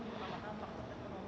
mulai menggunakan pemerintah ekonomi